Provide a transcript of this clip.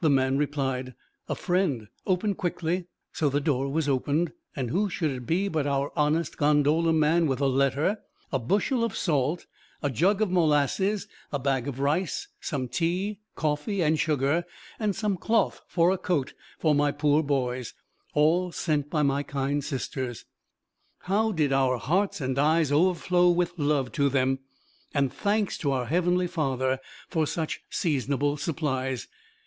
The man replied, 'A friend; open quickly': so the door was opened, and who should it be but our honest gondola man with a letter, a bushel of salt, a jug of molasses, a bag of rice, some tea, coffee, and sugar, and some cloth for a coat for my poor boys all sent by my kind sisters. How did our hearts and eyes overflow with love to them and thanks to our Heavenly Father for such seasonable supplies.